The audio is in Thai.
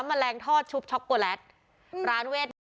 มะแรงทอดชุบช็อกโกแลตร้านเวท